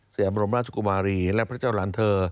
ยามรมราชกุมารีและพระเจ้าหลานเธอ